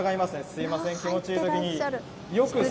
すみません、気持ちいいときに。